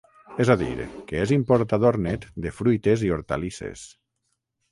És a dir, que és importador net de fruites i hortalisses.